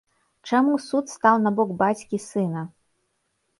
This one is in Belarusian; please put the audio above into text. Чаму суд стаў на бок бацькі сына?